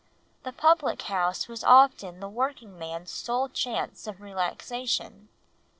The public house was often the working man's sole chance of relaxation.